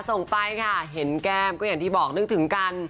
ส่งไปค่ะเห็นแก้มก็อย่างที่บอกนึกถึงกัน